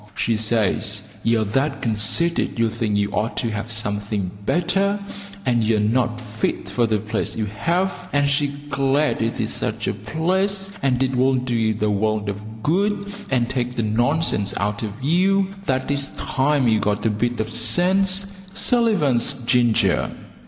She says you are that conceited you think you ought to have something better, and you're not fit for the place you have, and she's glad it is such a place, and it will do you the world of good and take the nonsense out of you that it's time you got a bit of sense. Sullivan's Ginger.